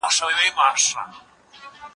ښځه باید د کور دننه کارونه ترسره کړي.